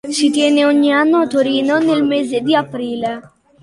Si tiene ogni anno a Torino nel mese di aprile.